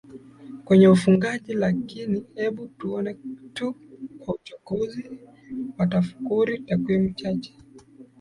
kwenye ufugaji Lakini hebu tuone tu kwa uchokozi wa tafakuri takwimu chache